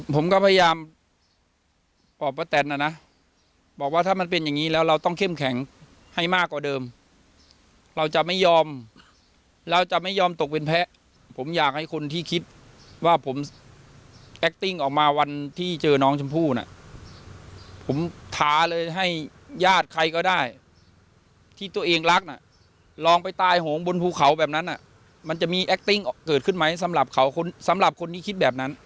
ผมก็พยายามบอกป้าแตนนะนะบอกว่าถ้ามันเป็นอย่างนี้แล้วเราต้องเข้มแข็งให้มากกว่าเดิมเราจะไม่ยอมเราจะไม่ยอมตกเป็นแพ้ผมอยากให้คนที่คิดว่าผมแอคติ้งออกมาวันที่เจอน้องชมพู่น่ะผมท้าเลยให้ญาติใครก็ได้ที่ตัวเองรักน่ะลองไปตายโหงบนภูเขาแบบนั้นอ่ะมันจะมีแอคติ้งเกิดขึ้นไหมสำหรับเขาคนสำหรับคนที่คิดแบบนั้น